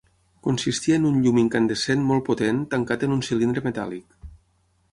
Consistia en un llum incandescent molt potent tancat en un cilindre metàl·lic.